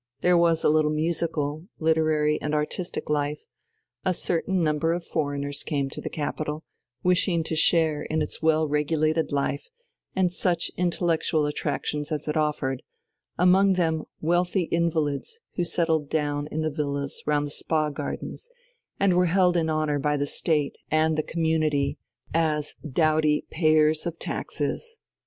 There was a little musical, literary, and artistic life; a certain number of foreigners came to the capital, wishing to share in its well regulated life and such intellectual attractions as it offered, among them wealthy invalids who settled down in the villas round the spa gardens and were held in honour by the State and the community as doughty payers of taxes.